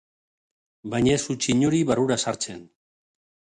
Baina ez utzi inori barrura sartzen.